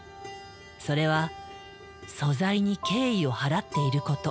それは素材に敬意を払っていること。